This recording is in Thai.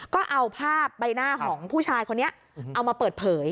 ก็เอาภาพใบหน้าของผู้ชายคนนี้เอามาเปิดเผย